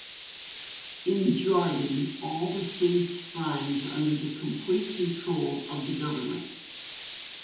In Jordan all the saint shrines are under the complete control of the government.